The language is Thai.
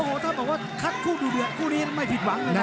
โอ้โหถ้าบอกว่าทั้งคู่เดีียวเเหลือคู่นี้ไม่ผิดหวังเลยนะ